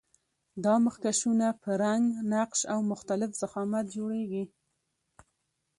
دا مخکشونه په رنګ، نقش او مختلف ضخامت جوړیږي.